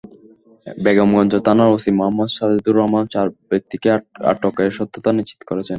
বেগমগঞ্জ থানার ওসি মোহাম্মদ সাজেদুর রহমান চার ব্যক্তিকে আটকের সত্যতা নিশ্চিত করেছেন।